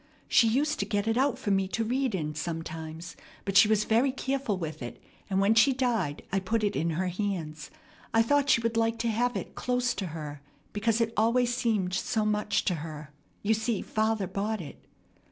She used to get it out for me to read in sometimes; but she was very careful with it, and when she died I put it in her hands. I thought she would like to have it close to her, because it always seemed so much to her. You see father bought it.